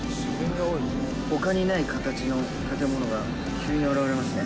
ほかにない形の建物が急にあらわれますね。